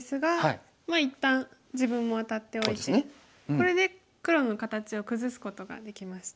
これで黒の形を崩すことができました。